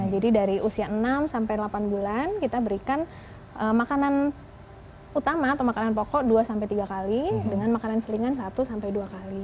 jadi dari usia enam sampai delapan bulan kita berikan makanan utama atau makanan pokok dua sampai tiga kali dengan makanan selingan satu sampai dua kali